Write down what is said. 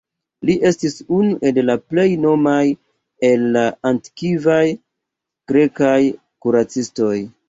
Li estis unu el la plej renomaj el la antikvaj grekaj kuracistoj.